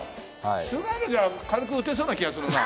菅野じゃ軽く打てそうな気がするな。